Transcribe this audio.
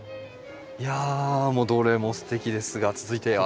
いやもうどれもすてきですが続いては。